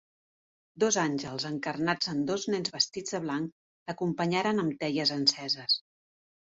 Dos àngels, encarnats en dos nens vestits de blanc, l'acompanyaren amb teies enceses.